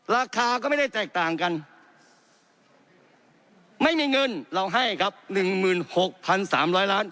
ราคาก็ไม่ได้แตกต่างกันไม่มีเงินเราให้ครับ๑๖๓๐๐ล้าน